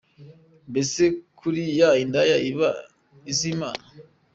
Mbese buriya indaya iba iz’ Imana ?.